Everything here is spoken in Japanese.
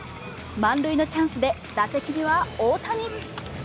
満塁のチャンスで打席には大谷。